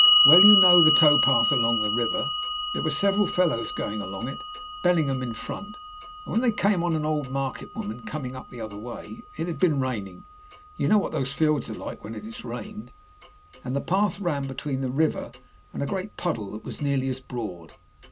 Well, you know the towpath along by the river. There were several fellows going along it, Bellingham in front, when they came on an old market woman coming the other way. It had been raining you know what those fields are like when it has rained and the path ran between the river and a great puddle that was nearly as broad.